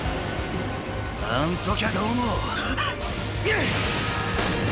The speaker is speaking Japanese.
あん時はどうも。